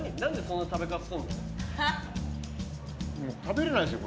食べれないんすよ